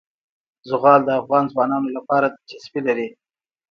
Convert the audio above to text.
زغال د افغان ځوانانو لپاره دلچسپي لري.